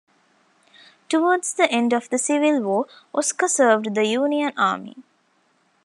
Toward's the end of the Civil War, Oscar served the Union Army.